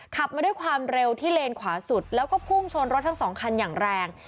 ขับมาด้วยความเร็วที่เลนขวาสุดแล้วก็พุ่งชนรถทั้งสองคันอย่างแรง